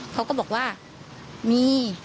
เขาก็บอกว่ามี